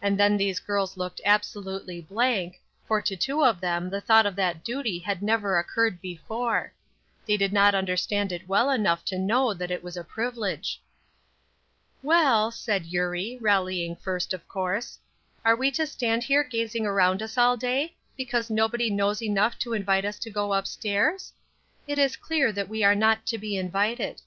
And then these girls looked absolutely blank, for to two of them the thought of that duty had never occurred before; they did not understand it well enough to know that it was a privilege. "Well," said Eurie, rallying first, of course, "are we to stand here gazing around us all day, because nobody knows enough to invite us to go up stairs? It is clear that we are not to be invited.